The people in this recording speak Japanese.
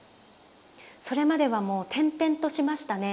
それまではもう転々としましたね。